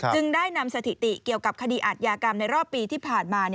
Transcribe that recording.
จึงได้นำสถิติเกี่ยวกับคดีอาทยากรรมในรอบปีที่ผ่านมา